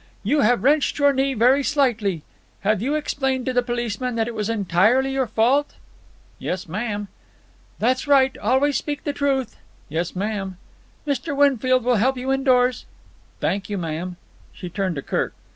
"You have wrenched your knee very slightly. Have you explained to the policeman that it was entirely your fault?" "Yes, ma'am." "That's right. Always speak the truth." "Yes, ma'am." "Mr. Winfield will help you indoors." "Thank you, ma'am." She turned to Kirk.